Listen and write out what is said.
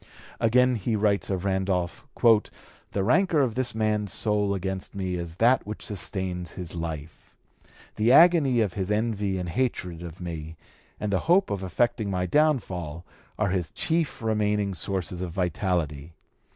Again he writes of Randolph: "The rancor of this man's soul against me is that which sustains his life: the agony of [his] envy and hatred of me, and the hope of effecting my downfall, are [his] chief remaining sources of vitality.